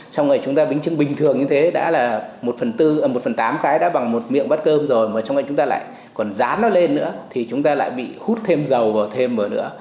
xong rồi chúng ta bánh trưng bình thường như thế đã là một phần tư một phần tám cái đã bằng một miệng bát cơm rồi mà xong rồi chúng ta lại còn dán nó lên nữa thì chúng ta lại bị hút thêm dầu vào thêm vào nữa